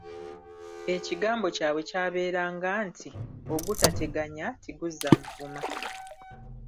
Ekigambo kyabwe kyabeeranga nti: Ogutateganya tiguzza mvuma.